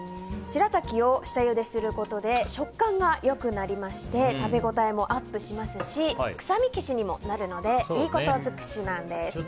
しらたきを下ゆですることで食感が良くなりまして食べ応えもアップしますし臭み消しにもなるのでいいこと尽くしなんです。